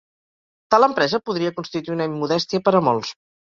Tal empresa podria constituir una immodèstia per a molts.